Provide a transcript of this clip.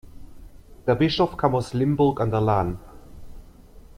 Der Bischof kam aus Limburg an der Lahn.